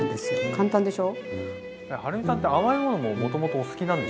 簡単でしょ？